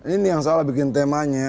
ini yang salah bikin temanya